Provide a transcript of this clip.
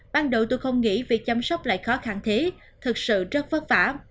ban đội tôi không nghĩ việc chăm sóc lại khó khăn thế thật sự rất vất vả